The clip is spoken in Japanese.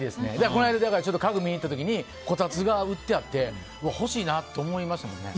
この間家具見に行った時にこたつが売ってあって欲しいなって思いましたもんね。